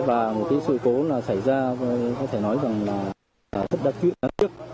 và một cái sự cố là xảy ra có thể nói rằng là rất đặc biệt